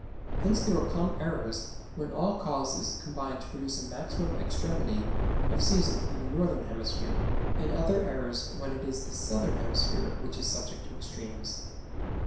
Hence there will come eras when all causes combine to produce a maximum extremity of seasons in the northern hemisphere, and other eras when it is the southern hemisphere which is subject to extremes.